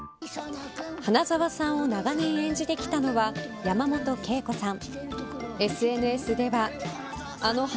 花沢さんを長年演じてきたのは山本圭子さん。